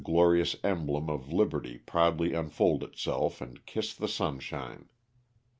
47 glorious emblem of liberty proudly unfold itself and kiss the sunshine.